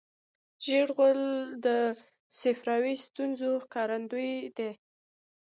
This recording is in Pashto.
ژېړ غول د صفراوي ستونزو ښکارندوی دی.